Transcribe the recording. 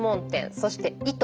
そして糸。